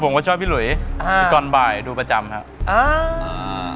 ผมก็ชอบพี่หลุยอ่าตอนบ่ายดูประจำครับอ่า